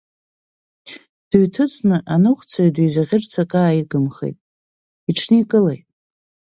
Дыҩҭыҵны аныҟәцаҩ дизаӷьырц акы ааигымхеит, иҽникылеит.